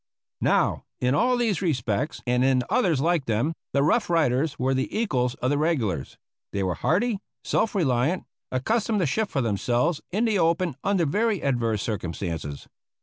Now, in all these respects, and in others like them, the Rough Riders were the equals of the regulars. They were hardy, self reliant, accustomed to shift for themselves in the open under very adverse circumstances.